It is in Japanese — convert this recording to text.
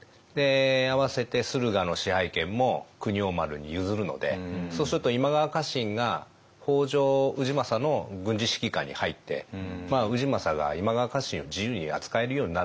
あわせて駿河の支配権も国王丸に譲るのでそうすると今川家臣が北条氏政の軍事指揮下に入って氏政が今川家臣を自由に扱えるようになるんですね。